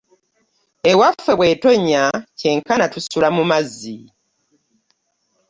Ewaffe bw'etonnya kyenkana tusula mu mazzi.